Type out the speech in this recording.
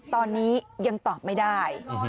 ตอนนี้ยังตอบไม่ได้